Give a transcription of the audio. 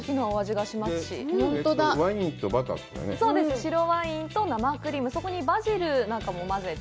白ワインと生クリーム、そこにバジルなんかも混ぜて。